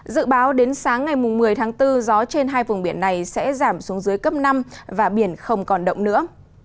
dự báo đến sáng ngày một mươi tháng bốn gió trên hai vùng biển này sẽ giảm xuống dưới cấp năm và biển không còn động nữa